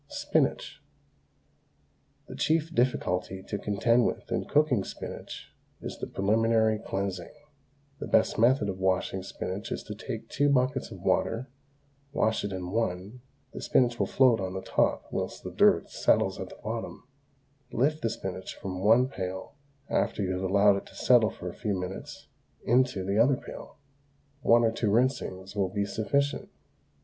SPINACH. The chief difficulty to contend with in cooking spinach is the preliminary cleansing. The best method of washing spinach is to take two buckets of water. Wash it in one; the spinach will float on the top whilst the dirt settles at the bottom. Lift the spinach from one pail, after you have allowed it to settle for a few minutes, into the other pail. One or two rinsings will be sufficient.